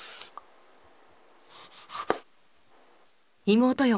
妹よ